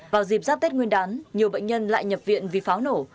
vào dịp giáp tết nguyên đán nhiều bệnh nhân lại nhập viện vì pháo nổ